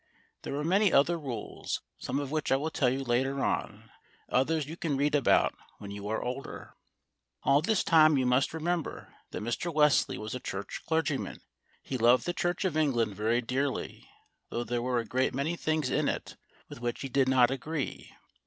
There were many other rules, some of which I will tell you later on, others you can read about when you are older. All this time you must remember that Mr. Wesley was a church clergyman. He loved the Church of England very dearly, though there were a great many things in it with which he did not agree.